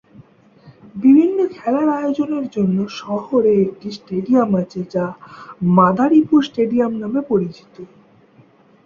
বিভিন্ন খেলার আয়োজনের জন্য শহরে একটি স্টেডিয়াম আছে যা মাদারীপুর স্টেডিয়াম নামে পরিচিত।